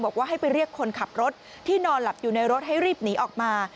บอกว่าให้ไปเรียกคนขับรถที่นอนหลับอยู่ในรถให้รีบหนีออกมา